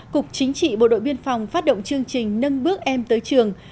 cục chính trị bộ đội biên phòng phát động chương trình nâng bước em tới trường